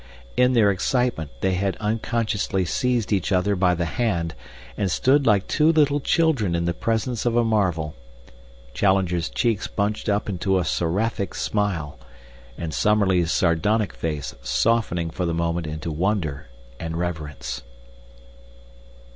In their excitement they had unconsciously seized each other by the hand, and stood like two little children in the presence of a marvel, Challenger's cheeks bunched up into a seraphic smile, and Summerlee's sardonic face softening for the moment into wonder and reverence.